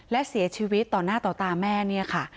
และเสียชีวิตต่อหน้าต่อตาแม่เนี่ยค่ะ